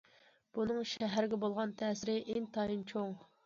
بۇنىڭ شەھەرگە بولغان تەسىرى ئىنتايىن چوڭ.